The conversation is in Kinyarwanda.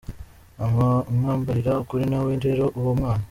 Amwambarira ukuri nawe rero uwo mwana